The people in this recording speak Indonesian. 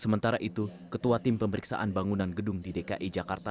sementara itu ketua tim pemeriksaan bangunan gedung di dki jakarta